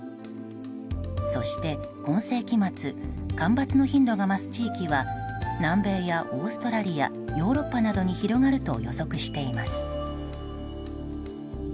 そして今世紀末干ばつの頻度が増す地域は南米やオーストラリアヨーロッパなどに広がると予測しています。